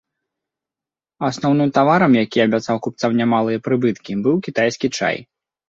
Асноўным таварам, які абяцаў купцам немалыя прыбыткі, быў кітайскі чай.